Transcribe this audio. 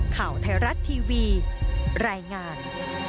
ข่าวไทยรัฐทีวีรายงาน